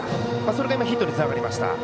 それがヒットにつながりました。